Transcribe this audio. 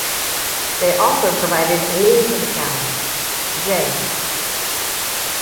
They also provided a name for the town; J.